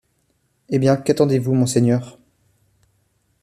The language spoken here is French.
Hé bien, qu’attendez-vous, monseigneur?